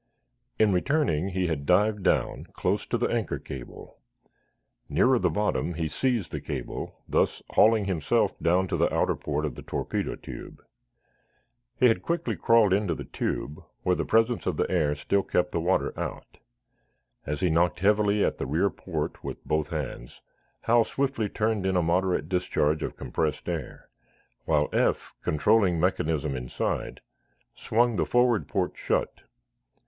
In returning, he had dived down, close to the anchor cable. Nearer the bottom he seized the cable, thus hauling himself down to the outer port of the torpedo tube. He had quickly crawled into the tube, where the presence of air still kept the water out. As he knocked heavily at the rear port with both hands, Hal swiftly turned in a moderate discharge of compressed air, while Eph, controlling mechanism inside, swung the forward port shut.